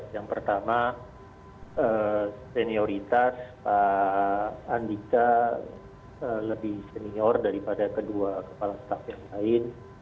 yang pertama senioritas pak andika lebih senior daripada kedua kepala staff yang lain